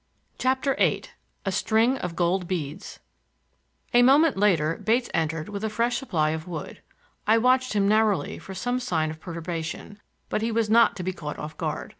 CHAPTER VIII A STRING OF GOLD BEADS A moment later Bates entered with a fresh supply of wood. I watched him narrowly for some sign of perturbation, but he was not to be caught off guard.